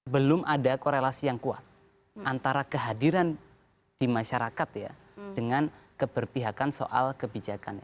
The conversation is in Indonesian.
belum ada korelasi yang kuat antara kehadiran di masyarakat ya dengan keberpihakan soal kebijakan